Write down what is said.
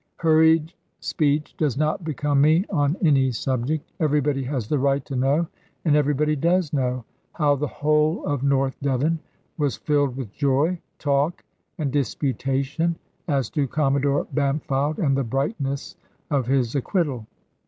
Hurried speech does not become me on any other subject. Everybody has the right to know, and everybody does know, how the whole of North Devon was filled with joy, talk, and disputation, as to Commodore Bampfylde and the brightness of his acquittal.